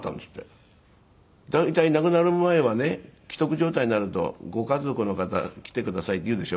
大体亡くなる前はね危篤状態になるとご家族の方来てくださいって言うでしょ？